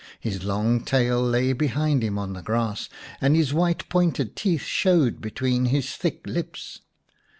His long tail lay behind him on the grass, and his white pointed teeth showed between his thick lips.